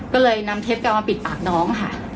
ก็เลยนำเทปเก่ามาปิดปากน้องค่ะ